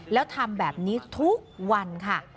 แล้วทำแบบนี้ทุกวันค่ะ